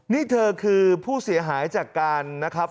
นี่เธอคือผู้เสียหายจากการนะครับ